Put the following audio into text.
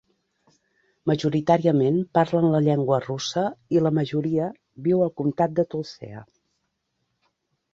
Majoritàriament parlen la llengua russa i la majoria viu al comtat de Tulcea.